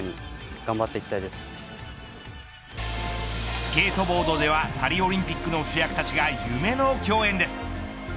スケートボードではパリオリンピックの主役たちが夢の共演です。